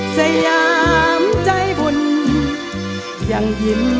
สยามใจบุญยังยิ้ม